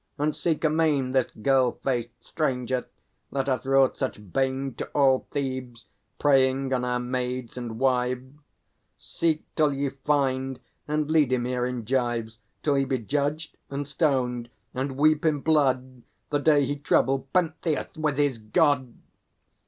And seek amain This girl faced stranger, that hath wrought such bane To all Thebes, preying on our maids and wives. Seek till ye find; and lead him here in gyves, Till he be judged and stoned, and weep in blood The day he troubled Pentheus with his God!